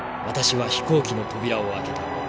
私は飛行機の扉を開けた。